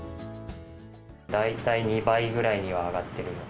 大体２倍ぐらいには上がってる。